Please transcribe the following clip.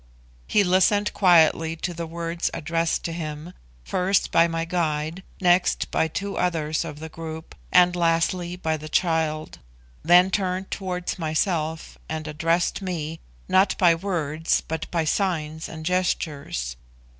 He listened quietly to the words addressed to him, first by my guide, next by two others of the group, and lastly by the child; then turned towards myself, and addressed me, not by words, but by signs and gestures.